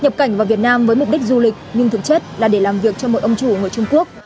nhập cảnh vào việt nam với mục đích du lịch nhưng thực chất là để làm việc cho mỗi ông chủ người trung quốc